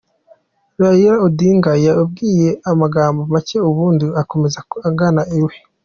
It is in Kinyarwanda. Raila Odinga yababwiye amagambo make ubundi akomeza agana iwe.